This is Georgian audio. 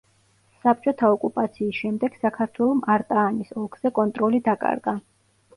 საბჭოთა ოკუპაციის შემდეგ საქართველომ არტაანის ოლქზე კონტროლი დაკარგა.